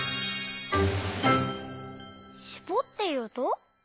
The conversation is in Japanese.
「しぼっていうと」？